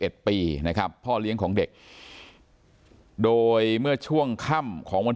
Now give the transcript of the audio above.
ปีนะครับพ่อเลี้ยงของเด็กโดยเมื่อช่วงค่ำของวัน